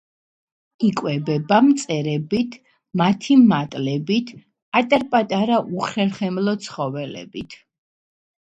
იკვებება მწერებით, მათი მატლებით, პატარ-პატარა უხერხემლო ცხოველებით.